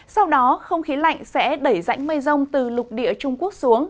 sau đó không khí lạnh sẽ đẩy rãnh mây rông từ lục địa trung quốc xuống